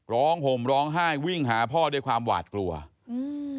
ห่มร้องไห้วิ่งหาพ่อด้วยความหวาดกลัวอืม